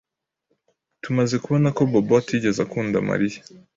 Tumaze kubona ko Bobo atigeze akunda Mariya.